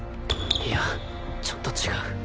いやちょっと違う